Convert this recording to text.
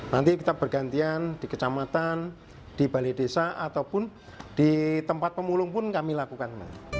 nanti kita bergantian di kecamatan di balai desa ataupun di tempat pemulung pun kami lakukan